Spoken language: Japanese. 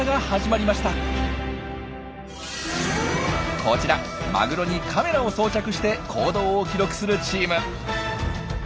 こちらマグロにカメラを装着して行動を記録するチーム。